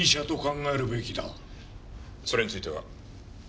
それについては木島。